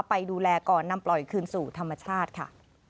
ไปดูแลก่อนนำปล่อยคืนสู่ธรรมชาติค่ะ